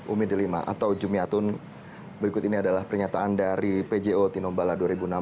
umi delima atau jumiatun berikut ini adalah pernyataan dari pjo tinombala dua ribu enam belas